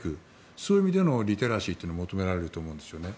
そういう意味でのリテラシーが求められると思うんです。